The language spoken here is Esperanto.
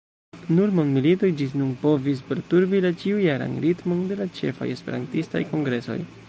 Nur mondmilitoj ĝis nun povis perturbi la ĉiujaran ritmon de la ĉefaj esperantistaj kongresoj.